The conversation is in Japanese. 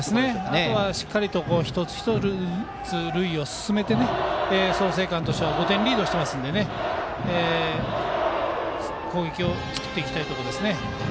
あとはしっかりと一つ一つ、塁を進めて創成館としては５点リードしていますので攻撃を作っていきたいところです。